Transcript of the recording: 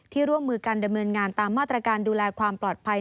ร่วมมือกันดำเนินงานตามมาตรการดูแลความปลอดภัย